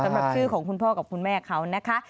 สำหรับชื่อของคุณพ่อกับคุณแม่เขานะคะ